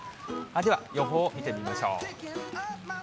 では予報を見てみましょう。